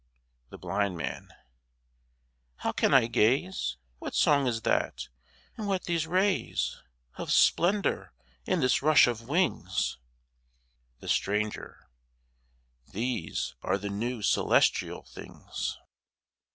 THE BLIND MAN How can I gaze? What song is that, and what these rays Of splendour and this rush of wings? THE STRANGER These are the new celestial things.